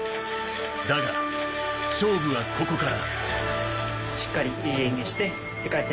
だが勝負はここから。